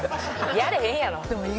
やれへんやろ。